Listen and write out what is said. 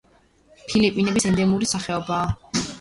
ფილიპინების ენდემური სახეობაა.